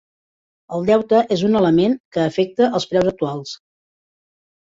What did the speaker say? El deute és un element que afecta els preus actuals.